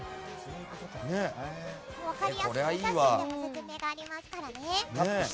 分かりやすくお写真でも説明がありますからね。